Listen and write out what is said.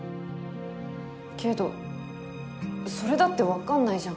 けどそれだってわかんないじゃん。